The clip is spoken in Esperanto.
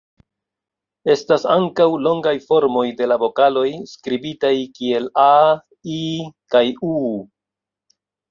Estas ankaŭ longaj formoj de la vokaloj, skribitaj kiel 'aa', 'ii' kaj 'uu'.